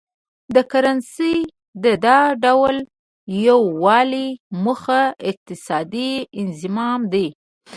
د کرنسۍ د دا ډول یو والي موخه اقتصادي انضمام دی.